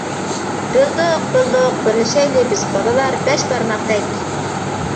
-بىلدۇق. بىلدۇق. بىرلىشەيلى بىز بالىلار، بەش بارماقتەك.